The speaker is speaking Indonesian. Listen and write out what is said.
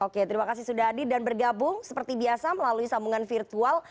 oke terima kasih sudah hadir dan bergabung seperti biasa melalui sambungan virtual